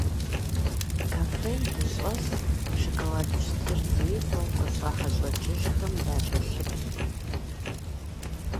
Кафем дыщӀэст, шоколад пщтыр дефэу, къыщӏыхьэ-щӏэкӏыжхэм дакӀэлъыплъу.